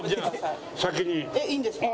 えっいいんですか？